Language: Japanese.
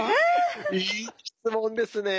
いい質問ですね。